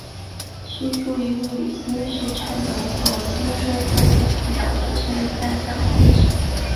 须注意勿与心室颤动或心收缩不全导致的心率下降混淆。